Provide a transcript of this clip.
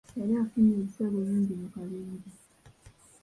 Yali afunye ebisago bingi mu kabenja.